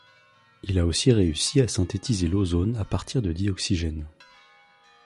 Il a aussi réussi à synthétiser l'ozone à partir de dioxygène.